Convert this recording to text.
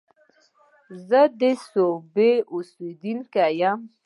زه د صوابۍ اوسيدونکی يم